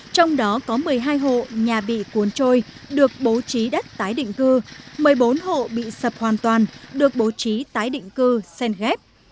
trong đó có một mươi hai hộ nhà bị cuốn trôi được bố trí đất tái định cư một mươi bốn hộ bị sập hoàn toàn được bố trí tái định cư sen ghép